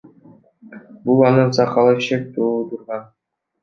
Буга анын сакалы шек туудурган.